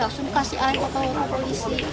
langsung kasih air ke rumah polisi